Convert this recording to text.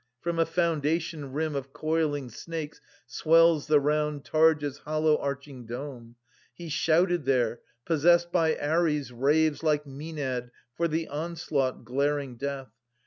From a foundation rim of coiling snakes Swells the round targe's hollow arching dome. He shouted there ; possessed by Ares, raves Like Maenad for the onslaught, glaring death.